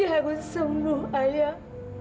ibu harus sembuh ibu